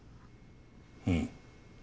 うん。